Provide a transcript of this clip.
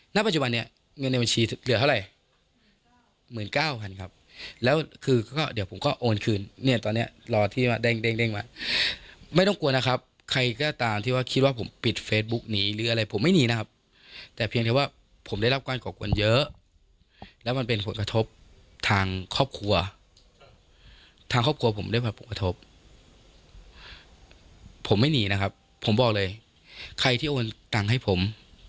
หน้าปัจจุบันนี้เงินในบัญชีเหลือเท่าไหร่หมื่นเก้าพันครับแล้วคือก็เดี๋ยวผมก็โอนคืนเนี่ยตอนเนี้ยรอที่มาเด้งเด้งเด้งมาไม่ต้องกลัวนะครับใครก็ตามที่ว่าคิดว่าผมปิดเฟซบุ๊คหนีหรืออะไรผมไม่หนีนะครับแต่เพียงแค่ว่าผมได้รับการก่อกลวนเยอะแล้วมันเป็นผลกระทบทางครอบครัวทางครอบครัวผมได้ผลกระทบ